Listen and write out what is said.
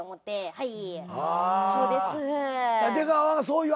はい。